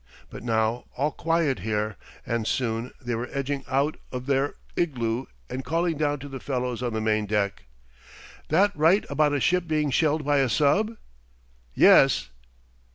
But now all quiet here, and soon they were edging out of their igloo and calling down to the fellows on the main deck: "That right about a ship being shelled by a sub? Yes.